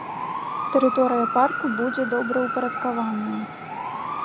Тэрыторыя парку будзе добраўпарадкаваная.